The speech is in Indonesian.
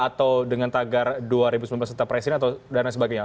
atau dengan tagar dua ribu sembilan belas setelah presiden atau dana sebagainya